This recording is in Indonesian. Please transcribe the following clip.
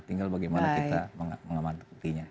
tinggal bagaimana kita mengamantukinya